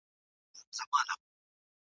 د څراغ تتي رڼا ته وه لیدلې !.